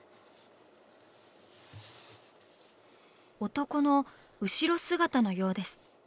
男の後ろ姿のようです。